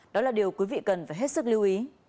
đó là điều quý vị cần phải hết sức lưu ý